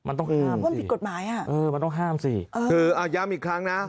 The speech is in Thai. มันต้องห้ามสิมันต้องห้ามสิคืออ่ะย้ำอีกครั้งนะ